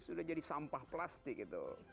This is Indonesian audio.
sudah jadi sampah plastik itu